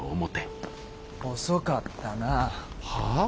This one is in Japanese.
遅かったな。は？